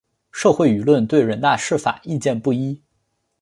社会舆论对人大释法意见不一。